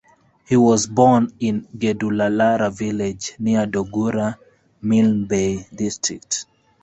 He was born in Gedulalara village, near Dogura, Milne Bay District.